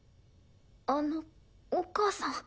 あのお母さん。